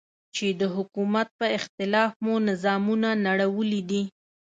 چې د حکومت په اختلاف مو نظامونه نړولي دي.